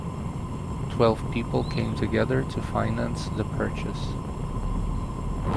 Twelve people came together to finance the purchase.